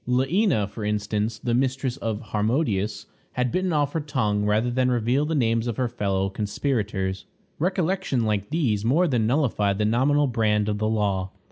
Leæna, for instance, the mistress of Harmodius, had bitten off her tongue rather than reveal the names of her fellow conspirators. Recollections like these more than nullified the nominal brand of the law.